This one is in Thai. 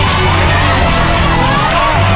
สุดท้ายแล้วครับ